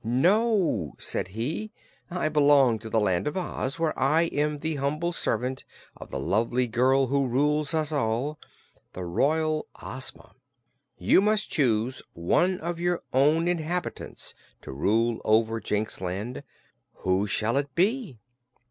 "No," said he, "I belong in the Land of Oz, where I am the humble servant of the lovely girl who rules us all the royal Ozma. You must choose one of your own inhabitants to rule over Jinxland. Who shall it be?"